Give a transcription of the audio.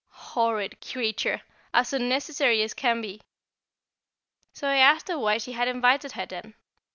"Horrid creature, as unnecessary as can be!" So I asked her why she had invited her, then.